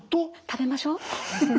食べましょう。